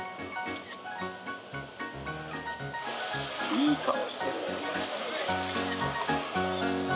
いい顔してる。